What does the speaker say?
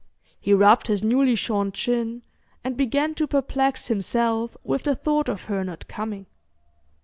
He rubbed his newly shorn chin and began to perplex himself with the thought of her not coming.